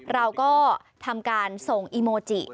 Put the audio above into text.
เราก็ทำการส่งอีโมจิ